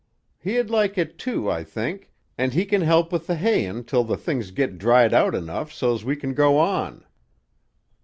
"He'd like it, too, I think, and he can help with the hayin' till the things git dried out enough, so's we kin go on."